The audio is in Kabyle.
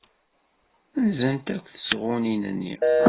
Nzant akk tesɣunin-nni.